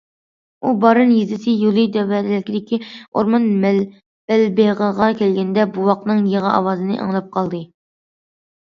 ئۇ بارىن يېزىسى يولى تەۋەلىكىدىكى ئورمان بەلبېغىغا كەلگەندە، بوۋاقنىڭ يىغا ئاۋازىنى ئاڭلاپ قالدى.